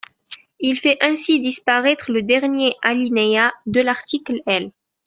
Il fait ainsi disparaître le dernier alinéa de l’article L.